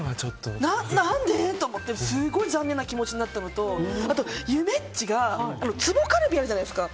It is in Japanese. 何で？と思ってすごい残念な気持ちになったのとあとゆめっちがつぼカルビあるじゃないですか。